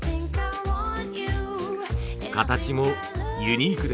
形もユニークですね。